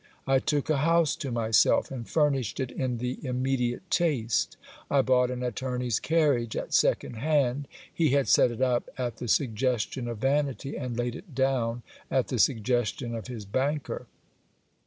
I took a house to myself, and furnished it in the immediate taste. I bought an attorney's carriage at second hand : he had set it up at the suggestion of vanity, and laid it down at the suggestion of his banker.